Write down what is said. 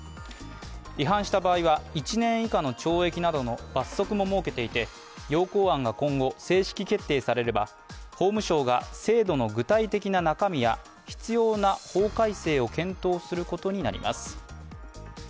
違反した場合は１年以下の懲役などの罰則も設けていて要綱案が今後、正式決定されれば法務省が制度の具体的な中身や必要な法改正を検討することになります。